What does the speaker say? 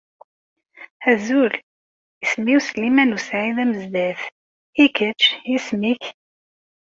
Azul. Isem-iw Sliman u Saɛid Amezdat. I kečč isem-ik?